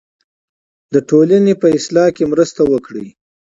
د ټولنې په اصلاح کې مرسته وکړئ.